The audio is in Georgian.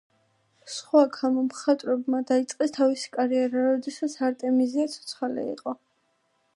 სხვა ქალმა მხატვრებმა დაიწყეს თავისი კარიერა, როდესაც არტემიზია ცოცხალი იყო.